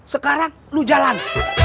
sekarang lo jalan